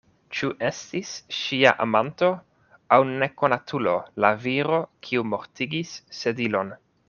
Ĉu estis ŝia amanto aŭ nekonatulo la viro, kiu mortigis Sedilon?